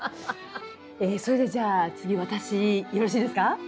えっそれでじゃあ次私よろしいですか？